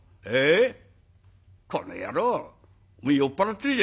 「えっ？